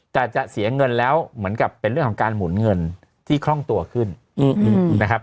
แต่จะเสียเงินแล้วเหมือนกับเป็นเรื่องของการหมุนเงินที่คล่องตัวขึ้นนะครับ